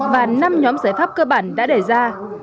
và năm nhóm giải pháp cơ bản đã đề ra